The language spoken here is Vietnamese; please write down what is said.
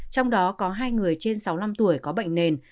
trong đó có hai người trên sáu mươi năm tuổi có bệnh nền